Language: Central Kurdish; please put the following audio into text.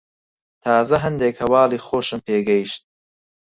تازە هەندێک هەواڵی خۆشم پێ گەیشت.